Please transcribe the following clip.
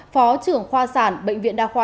phó trưởng khoa sản bệnh viện đa khoa